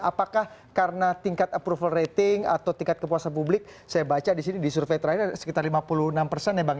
apakah karena tingkat approval rating atau tingkat kepuasan publik saya baca di sini di survei terakhir ada sekitar lima puluh enam persen ya bang